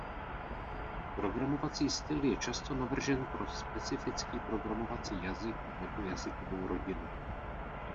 Programovací styl je často navržen pro specifický programovací jazyk nebo jazykovou rodinu.